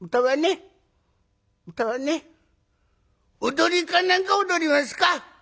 踊りか何か踊りますか？